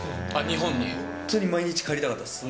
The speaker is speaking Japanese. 本当に毎日帰りたかったです。